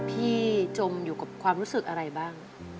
จมอยู่กับความรู้สึกอะไรบ้าง